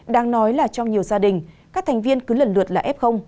đang nói là trong nhiều gia đình các thành viên cứ lần lượt là f